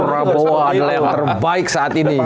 prabowo adalah yang terbaik saat ini